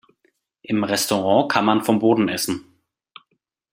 Im Restaurant kann man vom Boden essen.